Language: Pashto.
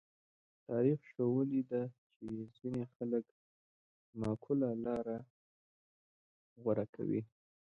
تاریخ ښوولې ده چې ځینې خلک معقوله لاره غوره کوي.